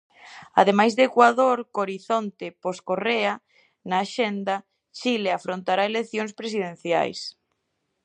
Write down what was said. Ademais de Ecuador, co horizonte post-Correa na axenda, Chile afrontará eleccións presidencias.